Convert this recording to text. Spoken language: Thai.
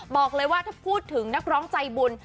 บอกเลยว่าถ้าพูดถึงนักร้องใจบุญ